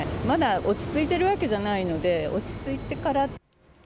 まだ落ち着いてるわけじゃないので、落ち着いてから。